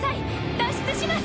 脱出します！